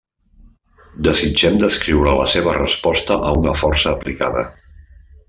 Desitgem descriure la seva resposta a una força aplicada.